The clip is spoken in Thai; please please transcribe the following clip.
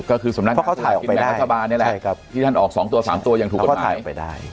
ก็คือสำนักท่านออกสินแมททะบานที่ท่านออกสองตัวสามตัวยังถูกกฎหมายไหมฮะ